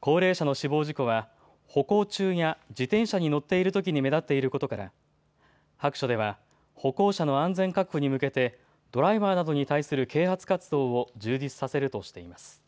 高齢者の死亡事故は歩行中や自転車に乗っているときに目立っていることから白書では歩行者の安全確保に向けてドライバーなどに対する啓発活動を充実させるとしています。